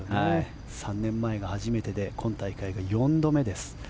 ３年前が初めてで今大会が４度目です。